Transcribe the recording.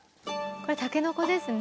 これたけのこですね。